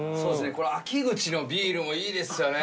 この秋口のビールもいいですよね